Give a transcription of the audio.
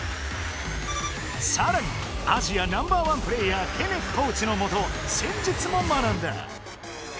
さらにアジアナンバーワンプレーヤーケネフコーチのもとせんじゅつも学んだ。